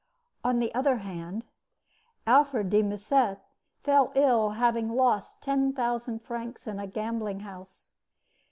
On the other hand, Alfred de Musset fell ill after having lost ten thousand francs in a gambling house.